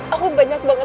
aku menanggung kamu